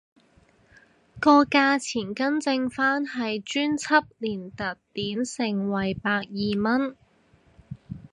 個價錢更正返係專輯連特典盛惠百二蚊